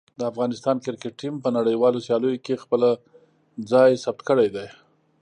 د افغانستان کرکټ ټیم په نړیوالو سیالیو کې خپله ځای ثبت کړی دی.